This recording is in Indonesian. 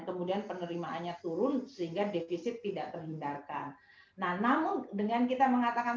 kemudian penerimaannya turun sehingga defisit tidak terhindarkan nah namun dengan kita mengatakan